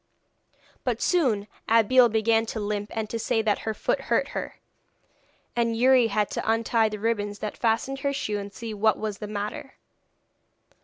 But soon Abeille began to limp and to say that her foot hurt her, and Youri had to untie the ribbons that fastened her shoe and see what was the matter.